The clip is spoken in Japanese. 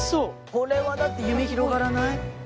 これはだって夢広がらない？